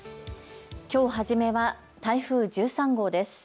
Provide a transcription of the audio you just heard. きょう初めは台風１３号です。